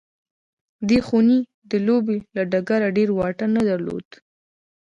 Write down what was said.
دې خونې د لوبې له ډګره ډېر واټن نه درلود